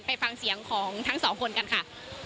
ไปฟังเสียงของทั้งสองคนกันค่ะ